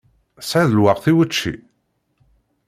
Tesɛiḍ lweqt i wučči?